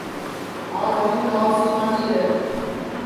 آج ہمُون لاؤسی ماڈؔی ہے